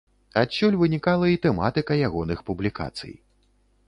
Адсюль вынікала і тэматыка ягоных публікацый.